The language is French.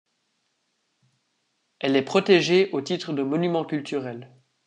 Elle est protégée au titre de monument culturel.